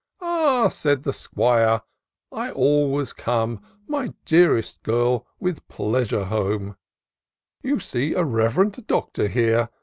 Ah," said the 'Squire, I always come, My dearest girl, with pleasure home : You see a rev'rend Doctor here.